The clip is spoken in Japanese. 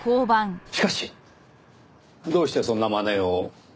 しかしどうしてそんな真似を？